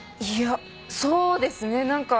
いやそうですね